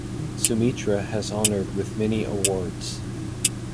Sumitra has honored with many awards.